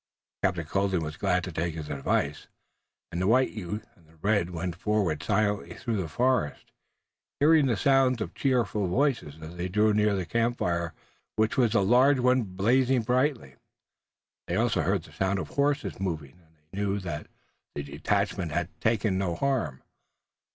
Captain Colden was glad to take his advice, and the white youth and the red went forward silently through the forest, hearing the sound of cheerful voices, as they drew near to the campfire which was a large one blazing brightly. They also heard the sound of horses moving and they knew that the detachment had taken no harm.